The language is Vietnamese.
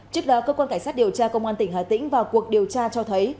trước đó cơ quan cảnh sát điều tra công an tỉnh hà tĩnh vào cuộc điều tra cho thấy